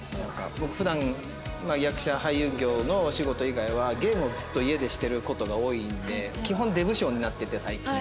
僕普段役者俳優業のお仕事以外はゲームをずっと家でしてる事が多いんで基本出無精になってて最近。